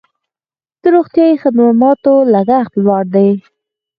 د روغتیايي خدماتو لګښت لوړ دی